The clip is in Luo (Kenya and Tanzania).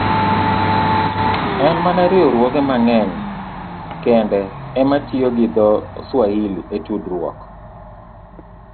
En mana riwruoge mang'eny kende e ma tiyo gi dho - Swahili e tudruok,